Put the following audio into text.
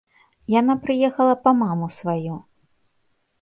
Яна прыехала па маму сваю.